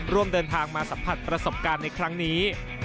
ร่วมเดินทางมาสัมผัสประสบการณ์ในครั้งนี้